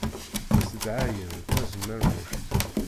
Ssedɛɛayen tazemmermuct.